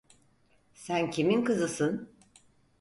Sen kimin kızısın?